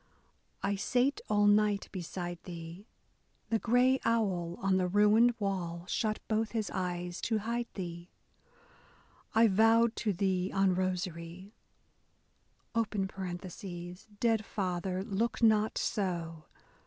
I sate all night beside thee— The gray owl on the ruined wall shut both his eyes to hide thee I vowed to thee on rosary (dead father, look not so